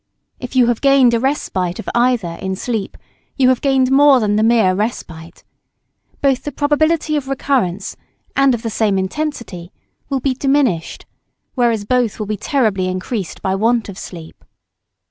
If you have gained a respite of either in sleep you have gained more than the mere respite. Both the probability of recurrence and of the same intensity will be diminished; whereas both will be terribly increased by want of sleep.